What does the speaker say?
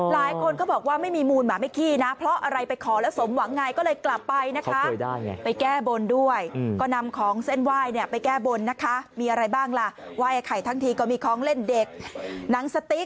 หลายคนก็บอกว่าไม่มีมูลหมาไม่ขี้นะ